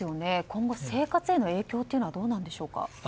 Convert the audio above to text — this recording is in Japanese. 今後、生活への影響っていうのはどうなんでしょうか？